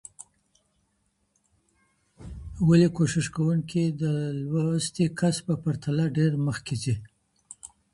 ولي کوښښ کوونکی د لوستي کس په پرتله ډېر مخکي ځي؟